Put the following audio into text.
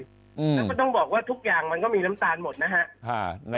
แล้วก็ต้องบอกว่าทุกอย่างมันก็มีน้ำตาลหมดนะฮะ